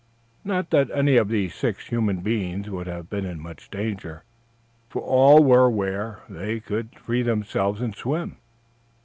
Not that any of these six human beings would have been in much danger, for all were where they could free themselves and swim.